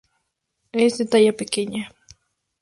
Es de talla pequeña.